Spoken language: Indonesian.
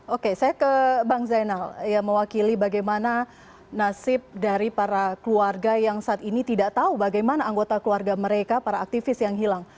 oke saya ke bang zainal yang mewakili bagaimana nasib dari para keluarga yang saat ini tidak tahu bagaimana anggota keluarga mereka para aktivis yang hilang